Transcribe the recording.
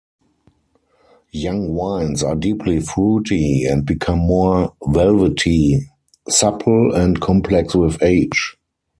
Young wines are deeply fruity and become more velvety, supple and complex with age.